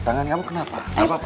tangan kamu kenapa